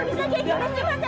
tidak ada pak